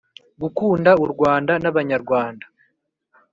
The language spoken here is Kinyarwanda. gukunda u Rwanda n Abanyarwanda